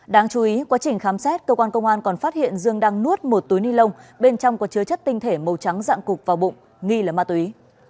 đáng chú ý quá trình khám xét cơ quan công an còn phát hiện dương đang nuốt một túi ni lông bên trong có chứa chất tinh thể màu trắng dạng cục vào bụng nghi là ma túy